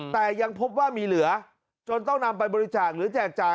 แต่ยังพบว่ามีเหลือจนต้องนำไปบริจาคหรือแจกจ่าย